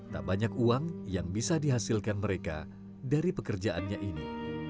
tak banyak uang yang bisa dihasilkan mereka dari pekerjaannya ini